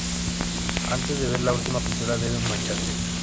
Antes de ver la última pintura debe marcharse.